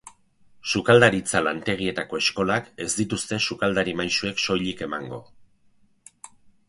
Sukaldaritza lantegietako eskolak ez dituzte sukaldari maisuek soilik emango.